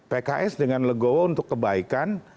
pks dengan legowo untuk kebaikan